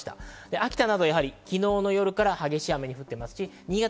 秋田にも昨日の夜から激しい雨が降っています。